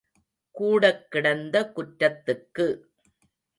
கூடக் கிடந்த குற்றத்துக்கு.